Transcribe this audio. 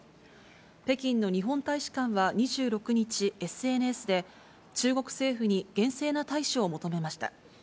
北京の日本大使館は２６日、ＳＮＳで中国政府に厳正な対処を求めました。